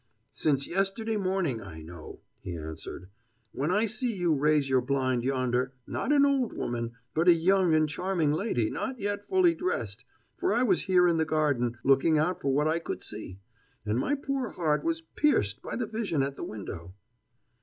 "Since yesterday morning I know," he answered, "when I see you raise your blind yonder, not an old woman, but a young and charming lady not yet fully dressed, for I was here in the garden, looking out for what I could see, and my poor heart was pierced by the vision at the window."